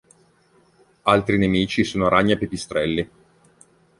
Altri nemici sono ragni e pipistrelli.